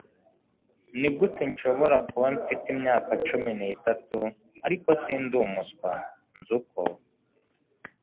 nigute nshobora kuba mfite imyaka cumi n'itatu, ariko sindi umuswa nzi uko